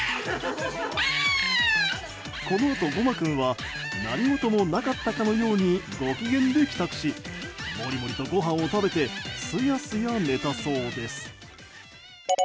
このあと、ごま君は何事もなかったかのようにご機嫌で帰宅しもりもりと、ごはんを食べてすやすや寝たそうです。